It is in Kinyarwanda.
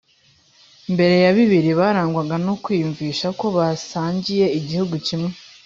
Mbere ya bibiri barangwaga no kwiyumvisha ko basangiye igihugu kimwe